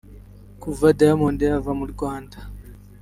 Kuva Diamond yava mu Rwanda